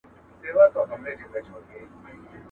ځکه خو د ټیټوالي له ځوروونکي